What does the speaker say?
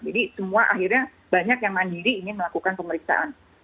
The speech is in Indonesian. jadi semua akhirnya banyak yang mandiri ingin melakukan pemeriksaan